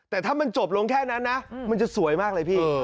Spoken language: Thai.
แต่ถ้ามันจบลงแค่นั้นนะมันจะสวยมากเลยพี่